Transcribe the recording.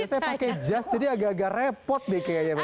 saya pakai jas jadi agak agak repot deh kayaknya